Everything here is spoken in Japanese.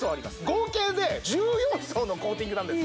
合計で１４層のコーティングなんです